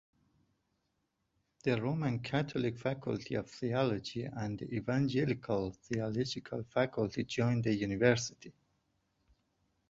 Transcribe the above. The Roman Catholic Faculty of Theology and the Evangelical Theological Faculty joined the university.